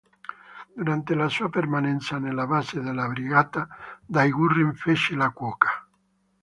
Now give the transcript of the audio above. Durante la sua permanenza nella base della brigata Dai-Gurren fece la cuoca.